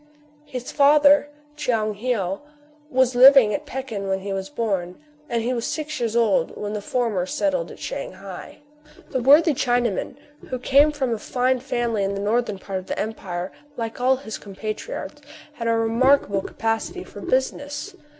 His father, Tchoung Heou, was living at Pekin when he was born ; and he was six years old when the former settled at Shang hai. This worthy Chinaman, who came from a fine family in the northern part of the empire, like all his compatriots, had a remarkable capacity for business.